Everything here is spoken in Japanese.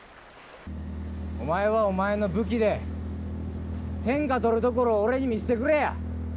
お前はお前の武器で、天下取るところを俺に見してくれや。